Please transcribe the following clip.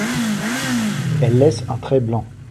Elle laisse un trait blanc.